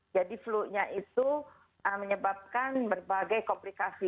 jadi flu nya itu menyebabkan berbagai komplikasi